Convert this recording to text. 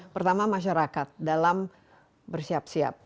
pertama masyarakat dalam bersiap siap